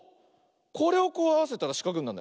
これをこうあわせたらしかくになる。